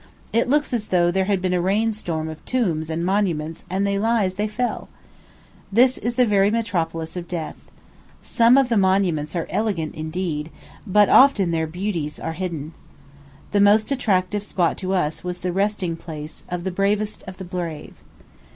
It looks as though there had been a rain storm of tombs and monuments, and they lie as they fell. This is the very metropolis of death. Some of the monuments are elegant indeed, but often their beauties are hidden. The most attractive spot to us was the resting place of "the bravest of the brave."